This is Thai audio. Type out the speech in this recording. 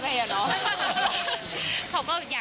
เขาก็อยากได้เรื่อยแบบรถเก่า